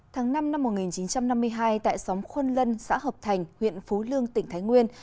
tháng năm năm một nghìn chín trăm năm mươi hai tại xóm khuôn lân xã hợp thành huyện phú lương tỉnh thái nguyên